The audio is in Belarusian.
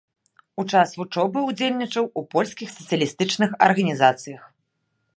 У час вучобы удзельнічаў ў польскіх сацыялістычных арганізацыях.